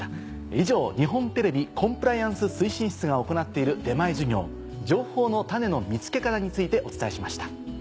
以上日本テレビコンプライアンス推進室が行っている出前授業「情報のタネの見つけ方」についてお伝えしました。